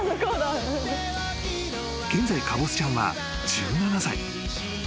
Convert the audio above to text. ［現在かぼすちゃんは１７歳］